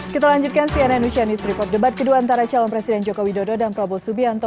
kita lanjutkan cnn usianis report debat kedua antara calon presiden jokowi dodo dan prabowo subianto